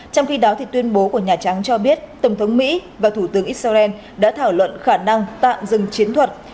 trong khi đó tuyên bố của nhà trắng cho biết tổng thống mỹ và thủ tướng israel đã thảo luận khả năng tạm dừng chiến thuật